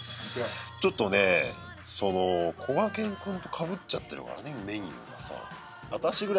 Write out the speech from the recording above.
ちょっとねそのこがけん君とかぶっちゃってるからねメニューがさ。